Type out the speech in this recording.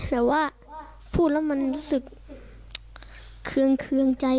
แต่ว่าพูดแล้วมันรู้สึกเคืองเครื่องใจ